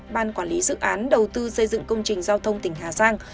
ban quản lý dự án đầu tư xây dựng công trình giao thông tỉnh hà giang